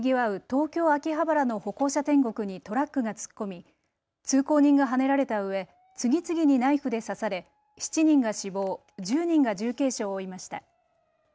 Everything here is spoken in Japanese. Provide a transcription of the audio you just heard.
東京秋葉原の歩行者天国にトラックが突っ込み通行人がはねられたうえ次々にナイフで刺され７人が死亡、１０人が重軽傷を負いました。